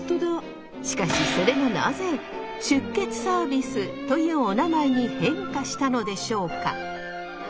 しかしそれがなぜ出血サービスというおなまえに変化したのでしょうか？